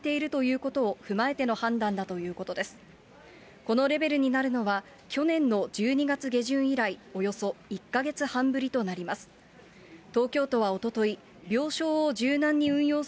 このレベルになるのは、去年の１２月下旬以来、およそ１か月半ぶりとなります。